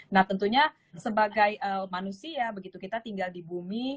nah tentunya sebagai manusia begitu kita tinggal di bumi